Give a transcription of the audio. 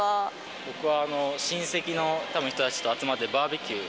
僕は、親戚の人たちと集まってバーベキュー。